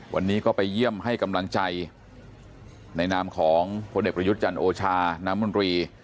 วันนี้ก็ไปเยี่ยมให้กำลังใจในนามของพลเอกประยุทธ์จันทร์โอชาน้ำมนตรี